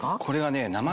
これはね。